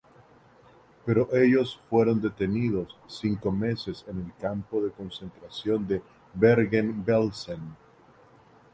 Pero ellos fueron detenidos cinco meses en el campo de concentración de Bergen-Belsen.